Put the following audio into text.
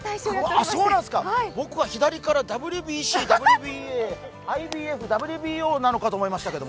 僕は左からＷＢＣ、ＷＢＡ、ＩＢＦ、ＷＢＯなのかと思いましたけど。